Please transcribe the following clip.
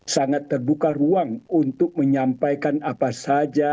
sangat terbuka ruang untuk menyampaikan apa saja